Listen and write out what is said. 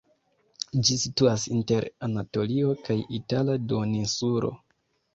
Ĝi situas inter Anatolio kaj Itala duoninsulo.